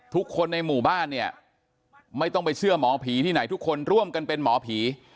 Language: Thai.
ทุกคนในหมู่บ้านเนี่ยไม่ต้องไปเชื่อหมอผีที่ไหนทุกคนร่วมกันเป็นหมอผี